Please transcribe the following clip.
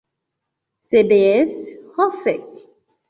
Sed jes, ho fek'